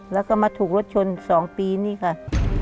แล้วก็มาถูกรถชน๒ปีนี่ค่ะ